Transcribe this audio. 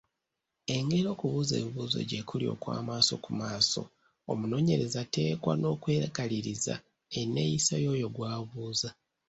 Engeri okubuuza ebibuuzo gye kuli okw’amaaso ku maaso, omunoonyereza ateekwa n’okwekaliriza enneeyisa y’oyo gw’abuuza.